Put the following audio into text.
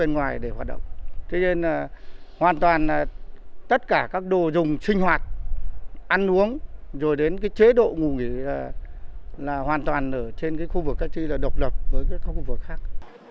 nhưng tất cả các đồ dùng sinh hoạt ăn uống rồi đến chế độ ngủ nghỉ là hoàn toàn ở trên khu vực cách ly là độc lập với các khu vực khác